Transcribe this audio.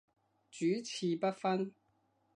主次不分